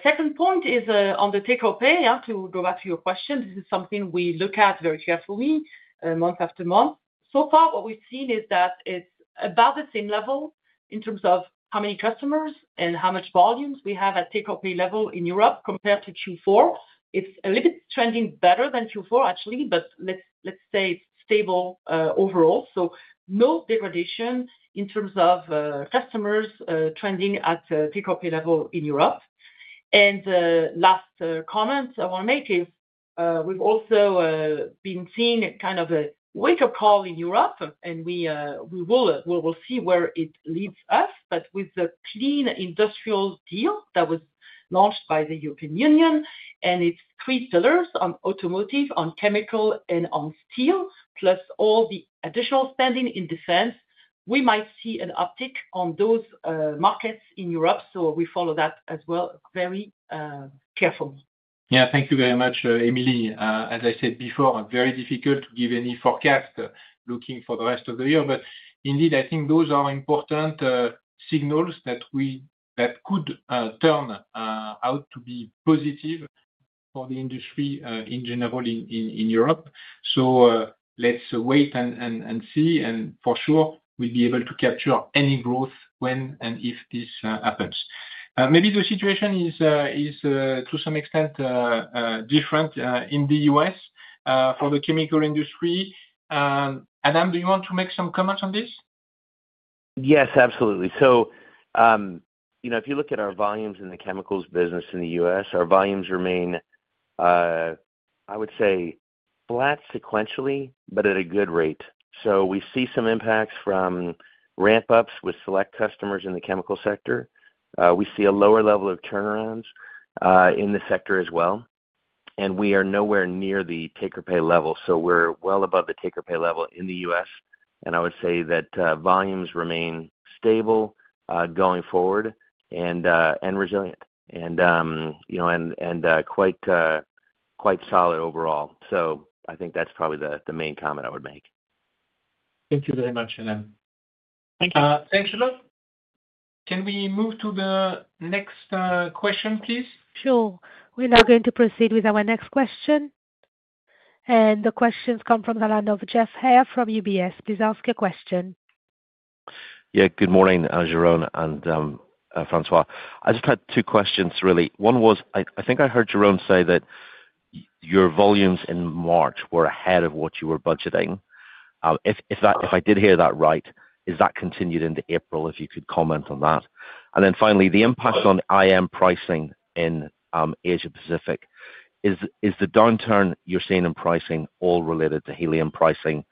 Second point is on the take-or-pay. To go back to your question, this is something we look at very carefully month after month. So far, what we've seen is that it's about the same level in terms of how many customers and how much volumes we have at take-or-pay level in Europe compared to Q4. It's a little bit trending better than Q4, actually, but let's say it's stable overall. No degradation in terms of customers trending at take-or-pay level in Europe. The last comment I want to make is we've also been seeing kind of a wake-up call in Europe, and we will see where it leads us. With the clean industrial deal that was launched by the European Union and its three pillars on automotive, on chemical, and on steel, plus all the additional spending in defense, we might see an uptick on those markets in Europe. We follow that as well very carefully. Yeah, thank you very much, Emilie. As I said before, very difficult to give any forecast looking for the rest of the year. Indeed, I think those are important signals that could turn out to be positive for the industry in general in Europe. Let's wait and see. For sure, we'll be able to capture any growth when and if this happens. Maybe the situation is to some extent different in the US for the chemical industry. Adam, do you want to make some comments on this? Yes, absolutely. If you look at our volumes in the chemicals business in the US, our volumes remain, I would say, flat sequentially, but at a good rate. We see some impacts from ramp-ups with select customers in the chemical sector. We see a lower level of turnarounds in the sector as well. We are nowhere near the take-or-pay level. We are well above the take-or-pay level in the US. I would say that volumes remain stable going forward and resilient and quite solid overall. I think that is probably the main comment I would make. Thank you very much, Adam. Thank you. Thanks, Laurent. Can we move to the next question, please? Sure. We are now going to proceed with our next question. The questions come from the line of Jeff Hare from UBS. Please ask your question. Yeah, good morning, Jérôme and François. I just had two questions, really. One was, I think I heard Jérôme say that your volumes in March were ahead of what you were budgeting. If I did hear that right, has that continued into April, if you could comment on that? Finally, the impact on IM pricing in Asia-Pacific, is the downturn you're seeing in pricing all related to helium pricing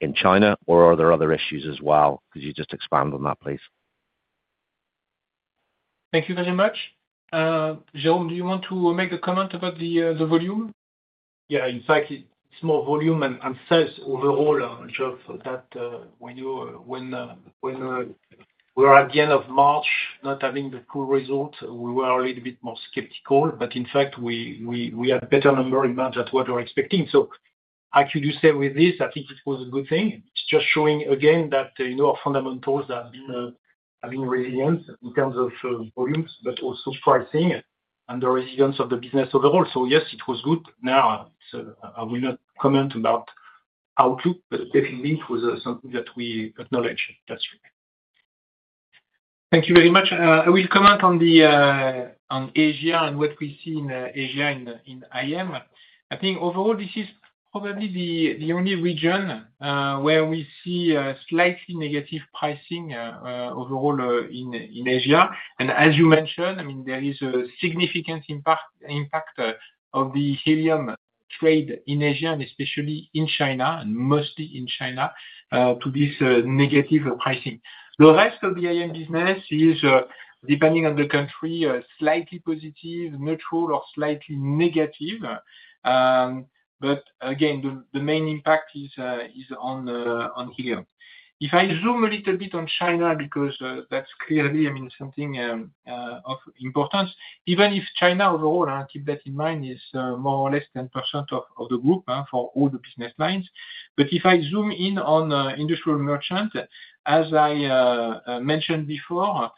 in China, or are there other issues as well? Could you just expand on that, please? Thank you very much. Jérôme, do you want to make a comment about the volume? Yeah, in fact, it's more volume and sales overall, Jérôme, that we knew when we were at the end of March, not having the full result, we were a little bit more skeptical. In fact, we had better numbers in March than what we were expecting. I could do the same with this. I think it was a good thing. It's just showing again that our fundamentals have been resilient in terms of volumes, but also pricing and the resilience of the business overall. Yes, it was good. I will not comment about outlook, but definitely, it was something that we acknowledged. That's true. Thank you very much. I will comment on Asia and what we see in Asia in IM. I think overall, this is probably the only region where we see slightly negative pricing overall in Asia. As you mentioned, I mean, there is a significant impact of the helium trade in Asia, and especially in China, and mostly in China, to this negative pricing. The rest of the IM business is, depending on the country, slightly positive, neutral, or slightly negative. Again, the main impact is on helium. If I zoom a little bit on China, because that's clearly, I mean, something of importance, even if China overall, keep that in mind, is more or less 10% of the group for all the business lines. If I zoom in on industrial merchant, as I mentioned before,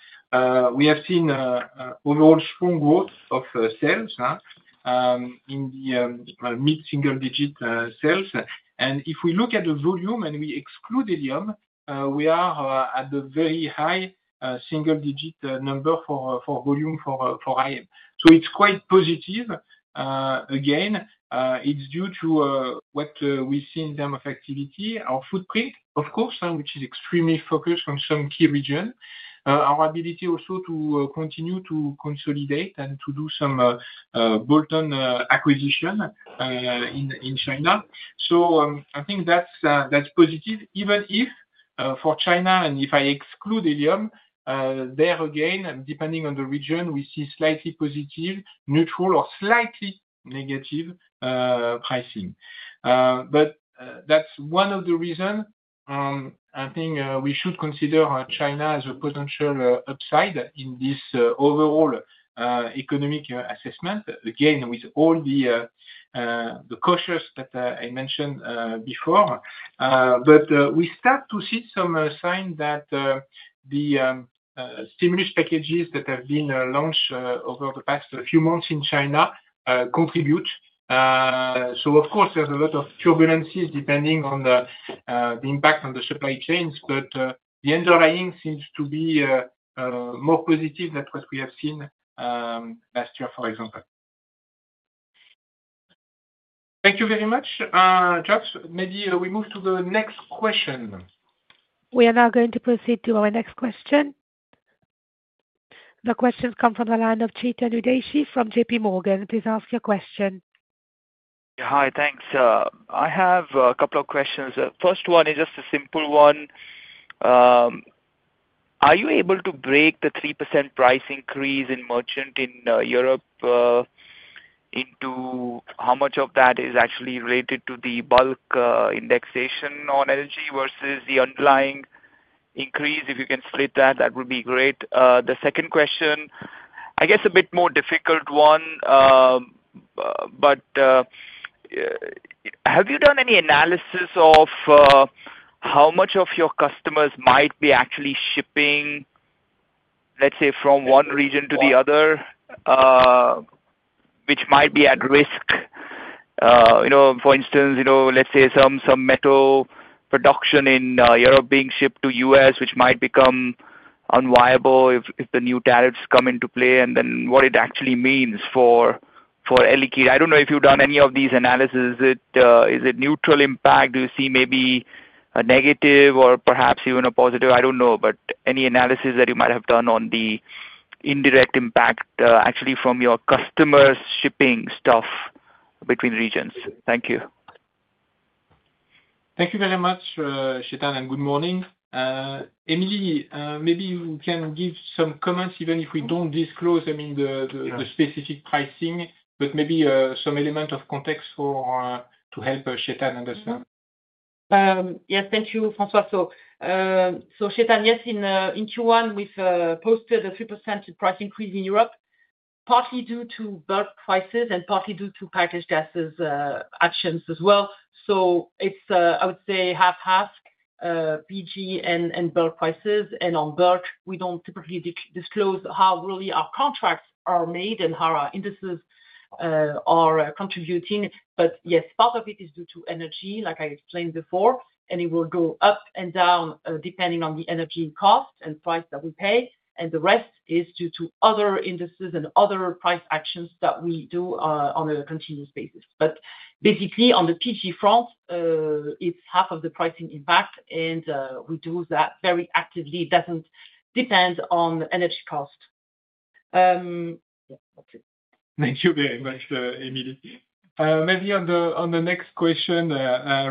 we have seen overall strong growth of sales in the mid-single-digit sales. If we look at the volume and we exclude helium, we are at the very high single-digit number for volume for IM. It is quite positive. Again, it is due to what we see in terms of activity, our footprint, of course, which is extremely focused on some key regions, our ability also to continue to consolidate and to do some bolt-on acquisition in China. I think that is positive, even if for China, and if I exclude helium, there again, depending on the region, we see slightly positive, neutral, or slightly negative pricing. That is one of the reasons I think we should consider China as a potential upside in this overall economic assessment, again, with all the cautions that I mentioned before. We start to see some signs that the stimulus packages that have been launched over the past few months in China contribute. Of course, there's a lot of turbulences depending on the impact on the supply chains, but the underlying seems to be more positive than what we have seen last year, for example. Thank you very much, Jérôme. Maybe we move to the next question. We are now going to proceed to our next question. The questions come from the line of Chaitanya Joshi from JPMorgan. Please ask your question. Hi, thanks. I have a couple of questions. First one is just a simple one. Are you able to break the 3% price increase in merchant in Europe into how much of that is actually related to the bulk indexation on energy versus the underlying increase? If you can split that, that would be great. The second question, I guess a bit more difficult one, but have you done any analysis of how much of your customers might be actually shipping, let's say, from one region to the other, which might be at risk? For instance, let's say some metal production in Europe being shipped to the US, which might become unviable if the new tariffs come into play. What it actually means for Air Liquide. I do not know if you have done any of these analyses. Is it neutral impact? Do you see maybe a negative or perhaps even a positive? I don't know, but any analysis that you might have done on the indirect impact actually from your customers shipping stuff between regions? Thank you. Thank you very much, Chaitanya, and good morning. Emilie, maybe you can give some comments, even if we do not disclose, I mean, the specific pricing, but maybe some element of context to help Chaitanya understand. Yes, thank you, François. Chaitanya, in Q1, we've posted a 3% price increase in Europe, partly due to bulk prices and partly due to packaged gases actions as well. I would say, half-half, BG and bulk prices. On bulk, we don't typically disclose how really our contracts are made and how our indices are contributing. Yes, part of it is due to energy, like I explained before, and it will go up and down depending on the energy cost and price that we pay. The rest is due to other indices and other price actions that we do on a continuous basis. Basically, on the PG front, it's half of the pricing impact, and we do that very actively. It doesn't depend on energy cost. Yeah, that's it. Thank you very much, Emilie. Maybe on the next question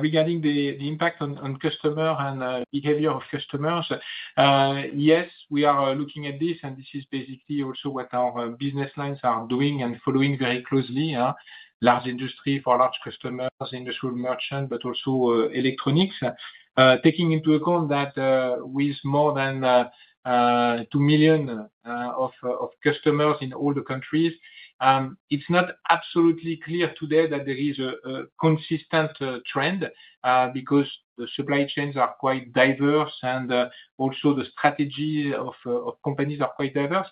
regarding the impact on customers and behavior of customers, yes, we are looking at this, and this is basically also what our business lines are doing and following very closely, large industry for large customers, industrial merchant, but also electronics. Taking into account that with more than 2 million customers in all the countries, it's not absolutely clear today that there is a consistent trend because the supply chains are quite diverse and also the strategies of companies are quite diverse.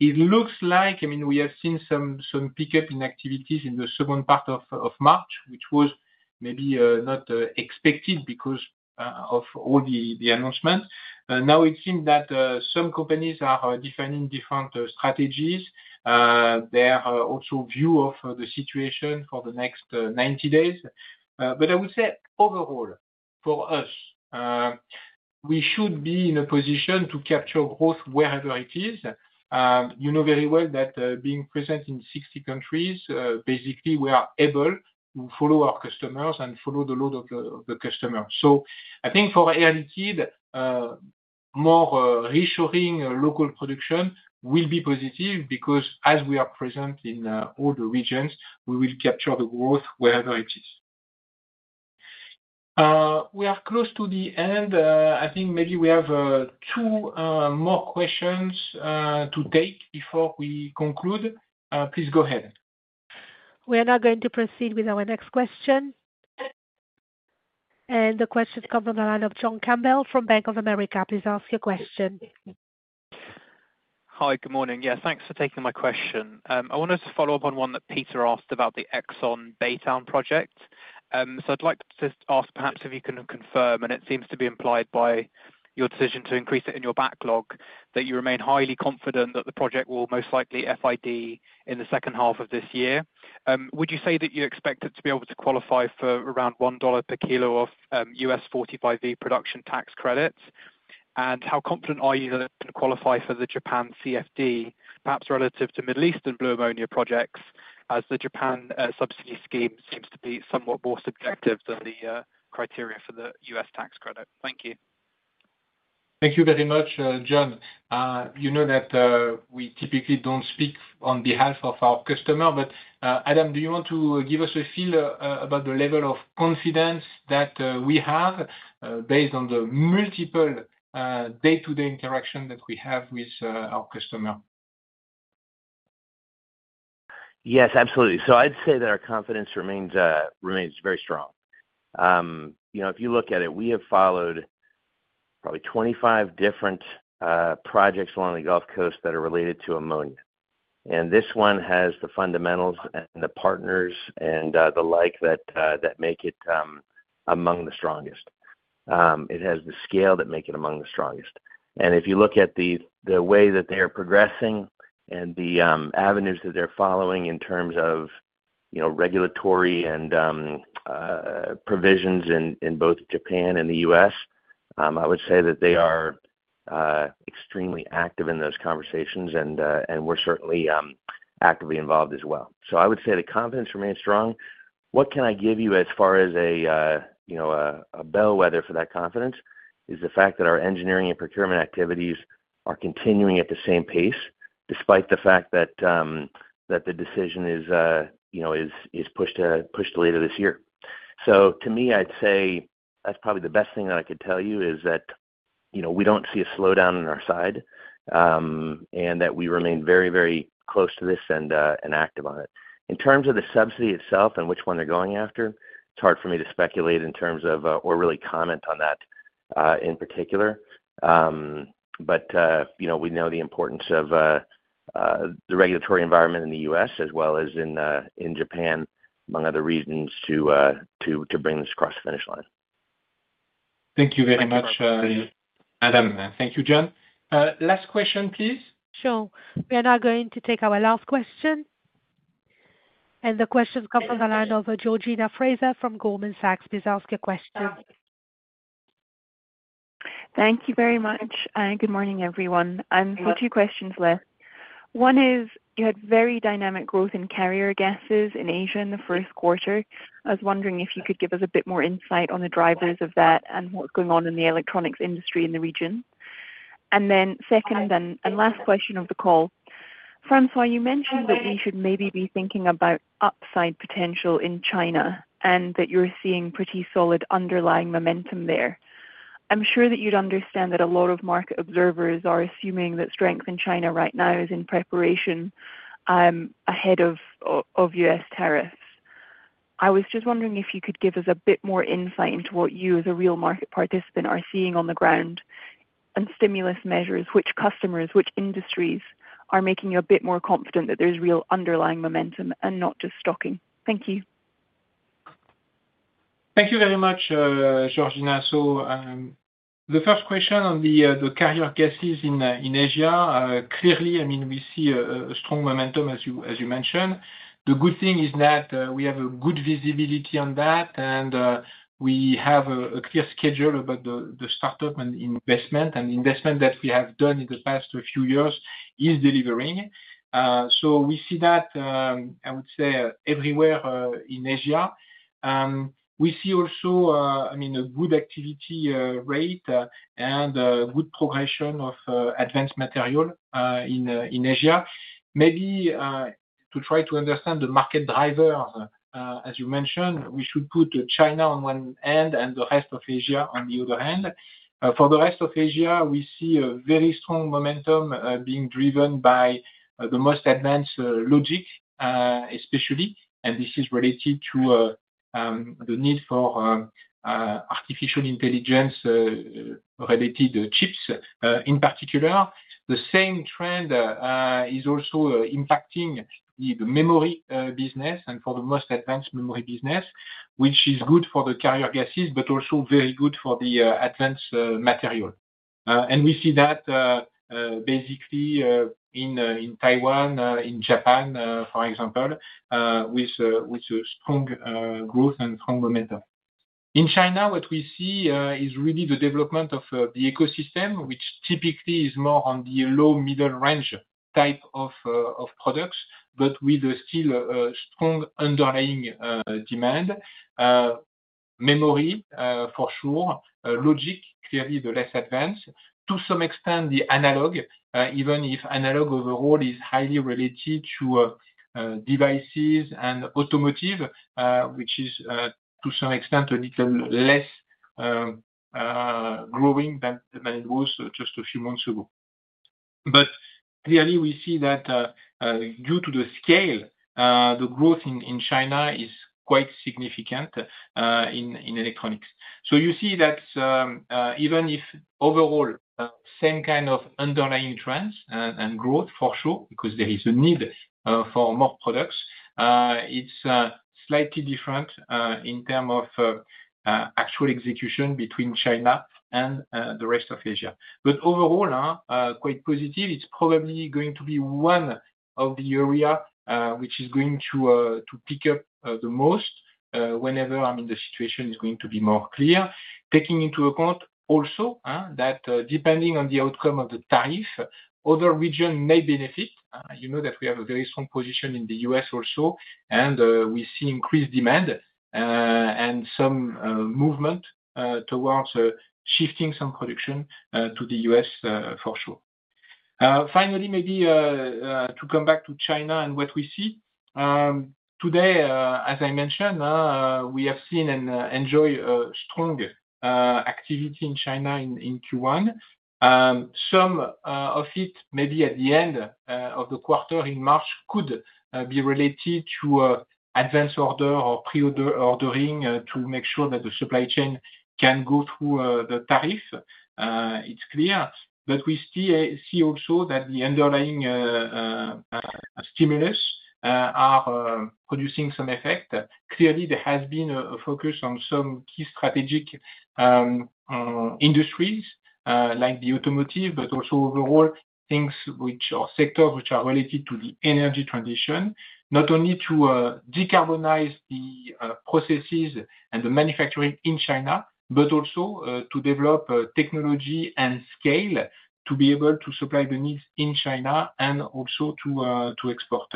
It looks like, I mean, we have seen some pickup in activities in the second part of March, which was maybe not expected because of all the announcements. Now, it seems that some companies are defining different strategies, their also view of the situation for the next 90 days. I would say overall, for us, we should be in a position to capture growth wherever it is. You know very well that being present in 60 countries, basically, we are able to follow our customers and follow the load of the customers. I think for Air Liquide, more reassuring local production will be positive because as we are present in all the regions, we will capture the growth wherever it is. We are close to the end. I think maybe we have two more questions to take before we conclude. Please go ahead. We are now going to proceed with our next question. The questions come from the line of John Campbell from Bank of America. Please ask your question. Hi, good morning. Yeah, thanks for taking my question. I wanted to follow up on one that Peter asked about the ExxonMobil Baytown project. I would like to ask perhaps if you can confirm, and it seems to be implied by your decision to increase it in your backlog, that you remain highly confident that the project will most likely FID in the second half of this year. Would you say that you expect it to be able to qualify for around $1 per kilo of US 45V production tax credits? How confident are you that it can qualify for the Japan CFD, perhaps relative to Middle Eastern blue ammonia projects, as the Japan subsidy scheme seems to be somewhat more subjective than the criteria for the US tax credit? Thank you. Thank you very much, John. You know that we typically don't speak on behalf of our customer, but Adam, do you want to give us a feel about the level of confidence that we have based on the multiple day-to-day interactions that we have with our customer? Yes, absolutely. I'd say that our confidence remains very strong. If you look at it, we have followed probably 25 different projects along the Gulf Coast that are related to ammonia. This one has the fundamentals and the partners and the like that make it among the strongest. It has the scale that makes it among the strongest. If you look at the way that they are progressing and the avenues that they're following in terms of regulatory and provisions in both Japan and the US, I would say that they are extremely active in those conversations, and we're certainly actively involved as well. I would say the confidence remains strong. What can I give you as far as a bellwether for that confidence is the fact that our engineering and procurement activities are continuing at the same pace, despite the fact that the decision is pushed to later this year. To me, I'd say that's probably the best thing that I could tell you is that we don't see a slowdown on our side and that we remain very, very close to this and active on it. In terms of the subsidy itself and which one they're going after, it's hard for me to speculate in terms of or really comment on that in particular. We know the importance of the regulatory environment in the US as well as in Japan, among other reasons, to bring this across the finish line. Thank you very much, Adam. Thank you, John. Last question, please. Sure. We are now going to take our last question. The questions come from the line of Georgina Fraser from Goldman Sachs. Please ask your question. Thank you very much. Good morning, everyone. I am for two questions left. One is you had very dynamic growth in carrier gases in Asia in the first quarter. I was wondering if you could give us a bit more insight on the drivers of that and what is going on in the electronics industry in the region. Second and last question of the call. François, you mentioned that we should maybe be thinking about upside potential in China and that you are seeing pretty solid underlying momentum there. I am sure that you would understand that a lot of market observers are assuming that strength in China right now is in preparation ahead of US tariffs. I was just wondering if you could give us a bit more insight into what you, as a real market participant, are seeing on the ground and stimulus measures, which customers, which industries are making you a bit more confident that there's real underlying momentum and not just stocking. Thank you. Thank you very much, Georgina. The first question on the carrier gases in Asia, clearly, I mean, we see a strong momentum, as you mentioned. The good thing is that we have a good visibility on that, and we have a clear schedule about the startup and investment, and the investment that we have done in the past few years is delivering. We see that, I would say, everywhere in Asia. We see also, I mean, a good activity rate and good progression of advanced materials in Asia. Maybe to try to understand the market drivers, as you mentioned, we should put China on one end and the rest of Asia on the other end. For the rest of Asia, we see a very strong momentum being driven by the most advanced logic, especially, and this is related to the need for artificial intelligence-related chips in particular. The same trend is also impacting the memory business and for the most advanced memory business, which is good for the carrier gases, but also very good for the advanced material. We see that basically in Taiwan, in Japan, for example, with a strong growth and strong momentum. In China, what we see is really the development of the ecosystem, which typically is more on the low-middle range type of products, but with still a strong underlying demand. Memory, for sure. Logic, clearly the less advanced. To some extent, the analog, even if analog overall is highly related to devices and automotive, which is to some extent a little less growing than it was just a few months ago. Clearly, we see that due to the scale, the growth in China is quite significant in electronics. You see that even if overall, same kind of underlying trends and growth, for sure, because there is a need for more products, it's slightly different in terms of actual execution between China and the rest of Asia. Overall, quite positive. It's probably going to be one of the areas which is going to pick up the most whenever, I mean, the situation is going to be more clear, taking into account also that depending on the outcome of the tariff, other regions may benefit. You know that we have a very strong position in the US also, and we see increased demand and some movement towards shifting some production to the US, for sure. Finally, maybe to come back to China and what we see. Today, as I mentioned, we have seen and enjoyed strong activity in China in Q1. Some of it, maybe at the end of the quarter in March, could be related to advance order or pre-ordering to make sure that the supply chain can go through the tariff. It is clear. We see also that the underlying stimulus is producing some effect. Clearly, there has been a focus on some key strategic industries like the automotive, but also overall things which are sectors which are related to the energy transition, not only to decarbonize the processes and the manufacturing in China, but also to develop technology and scale to be able to supply the needs in China and also to export.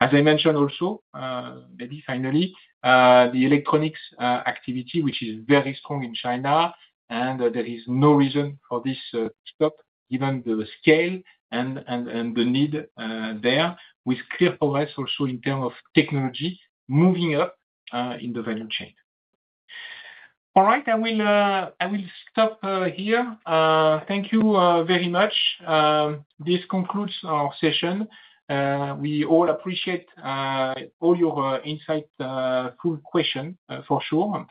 As I mentioned also, maybe finally, the electronics activity, which is very strong in China, and there is no reason for this to stop, given the scale and the need there, with clear progress also in terms of technology moving up in the value chain. All right, I will stop here. Thank you very much. This concludes our session. We all appreciate all your insightful questions, for sure.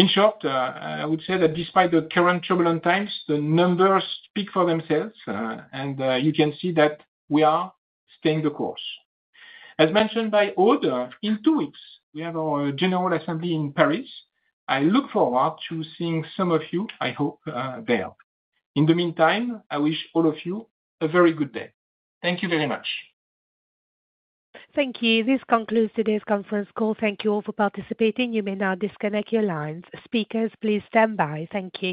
In short, I would say that despite the current turbulent times, the numbers speak for themselves, and you can see that we are staying the course. As mentioned by Aude, in two weeks, we have our general assembly in Paris. I look forward to seeing some of you, I hope, there. In the meantime, I wish all of you a very good day. Thank you very much. Thank you. This concludes today's conference call. Thank you all for participating. You may now disconnect your lines. Speakers, please stand by. Thank you.